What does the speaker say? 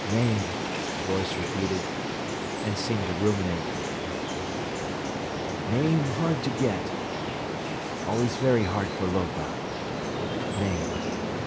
"Name," the voice repeated, and seemed to ruminate. "Name hard to get—always very hard for Lopa. Name.